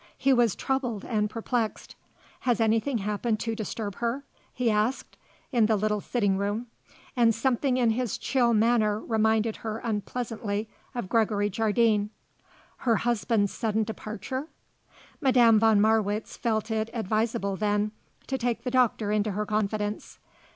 He was troubled and perplexed. "Has anything happened to disturb her?" he asked in the little sitting room, and something in his chill manner reminded her unpleasantly of Gregory Jardine; "her husband's sudden departure?" Madame von Marwitz felt it advisable, then, to take the doctor into her confidence.